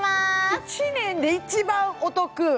１年で一番お得？